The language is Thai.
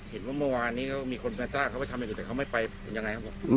เห็นว่าเมื่อวานนี้ก็มีคนมาทราบเขาไปทำอย่างอื่นแต่เขาไม่ไปเป็นยังไงครับผม